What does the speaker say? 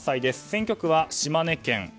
選挙区は島根県。